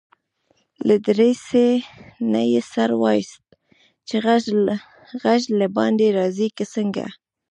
له دريڅې نه يې سر واېست چې غږ له باندي راځي که څنګه.